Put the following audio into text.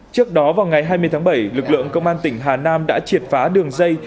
trước đó vào ngày hai mươi tháng bảy lực lượng công an tỉnh hà nam đã triệt phá đường dây